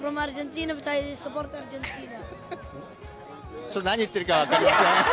ちょっと何言ってるか分かりません。